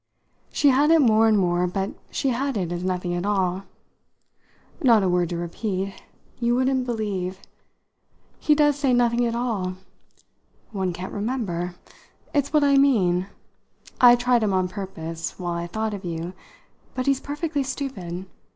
She had it more and more, but she had it as nothing at all. "Not a word to repeat you wouldn't believe! He does say nothing at all. One can't remember. It's what I mean. I tried him on purpose, while I thought of you. But he's perfectly stupid.